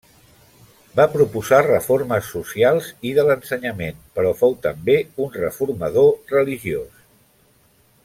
Va proposar reformes socials i de l'ensenyament però fou també un reformador religiós.